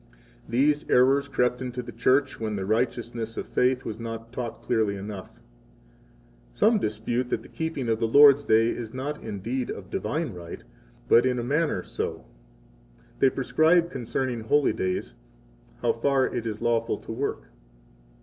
These errors crept into the Church when the righteousness of faith was not taught clearly enough. 63 Some dispute that the keeping of the Lord's Day is not indeed of divine right, but in a manner so. They prescribe concerning holy days, how far it is lawful to work.